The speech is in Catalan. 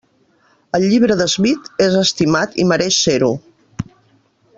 El llibre de Smith és estimat i mereix ser-ho.